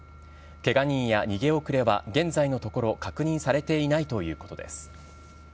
けが人や逃げ遅れは、現在のところ、確認されていないということです。